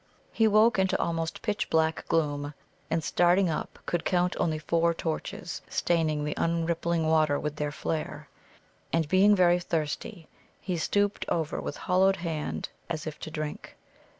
He woke into almost pitch black gloom, and, starting up, could count only four torches staining the unrippling water with their flare. And, being very thirsty, he stooped over with hollowed hand, as if to drink.